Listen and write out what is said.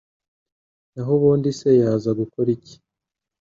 naho ubundi se yaza gukora iki?